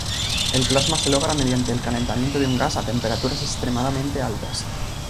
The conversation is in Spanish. El plasma se logra mediante el calentamiento de un gas a temperaturas extremadamente altas.